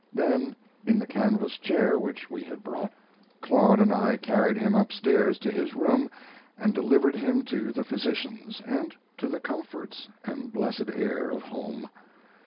Then, in the canvas chair which we had brought, Claude and I carried him up stairs to his room and delivered him to the physicians, and to the comforts and blessed air of home.